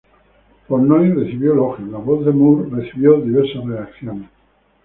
Portnoy recibió elogios; la voz de Moore recibió diversas reacciones.